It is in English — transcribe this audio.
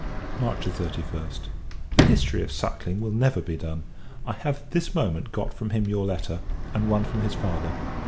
March 31st. The history of Suckling will never be done. I have this moment got from him your letter, and one from his father.